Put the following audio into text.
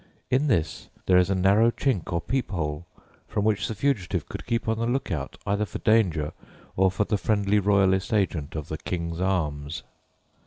In this there is a narrow chink or peep hole, from which the fugitive could keep on the look out either for danger or for the friendly Royalist agent of the "King's Arms."